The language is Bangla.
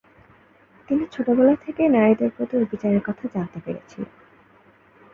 তিনি ছোটবেলা থেকেই নারীদের প্রতি অবিচারের কথা জানতে পেরেছিল।